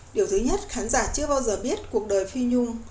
điều thứ nhất khán giả chưa bao giờ biết cuộc đời phi nhung